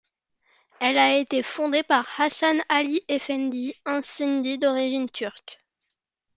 Elle a été fondée par Hassan Ali Effendi, un Sindi d'origine turque.